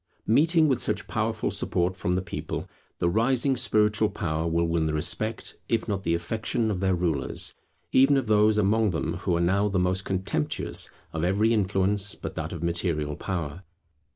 Meeting with such powerful support from the people, the rising spiritual power will win the respect if not the affection of their rulers, even of those among them who are now the most contemptuous of every influence but that of material power.